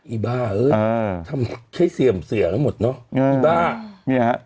อีบ้าทำเค้ยเสี่ยมเสี่ยแล้วหมดเนอะ